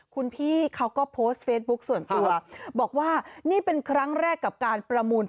คุณพี่เขาก็โพสต์เฟซบุ๊คส่วนตัวบอกว่านี่เป็นครั้งแรกกับการประมูล